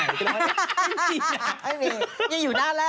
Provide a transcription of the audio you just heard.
ไม่มี